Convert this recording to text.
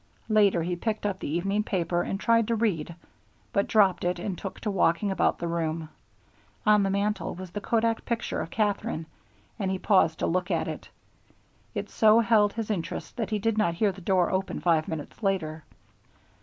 Later he picked up the evening paper and tried to read, but dropped it and took to walking about the room. On the mantel was the Kodak picture of Katherine, and he paused to look at it. It so held his interest that he did not hear the door open five minutes later.